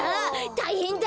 たいへんだ。